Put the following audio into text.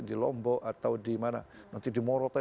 di lombok atau di mana nanti di morota